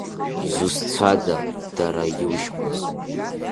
Изусҭцәада, дара иушьқәаз?